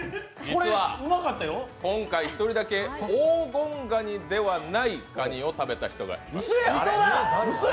実は今回１人だけ、黄金ガニではないかにを食べた人がいます。